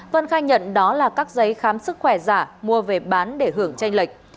vân khai nhận đó là các giấy khám sức khỏe giả mua về bán để hưởng tranh lệch